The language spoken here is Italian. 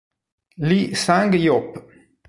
Lee Sang-yeop